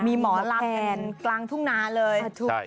มีหมอลำกันกลางทุ่งนาเลย